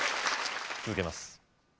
続けます